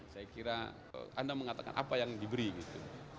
saya kira anda mengatakan apa yang diberi gitu